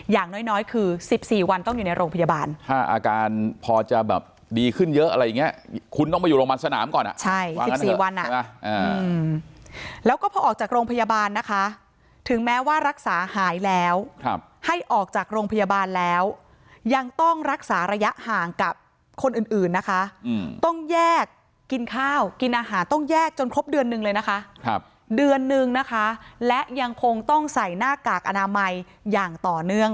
อย่างน้อยคือสิบสี่วันต้องอยู่ในโรงพยาบาลถ้าอาการพอจะแบบดีขึ้นเยอะอะไรอย่างเงี้ยคุณต้องมาอยู่โรงพยาบาลสนามก่อนอ่ะใช่สิบสี่วันอ่ะแล้วก็พอออกจากโรงพยาบาลนะคะถึงแม้ว่ารักษาหายแล้วครับให้ออกจากโรงพยาบาลแล้วยังต้องรักษาระยะห่างกับคนอื่นนะคะต้องแยกกินข้าวกินอาหารต้องแยกจนครบเดือน